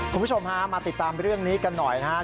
คุณผู้ชมฮะมาติดตามเรื่องนี้กันหน่อยนะครับ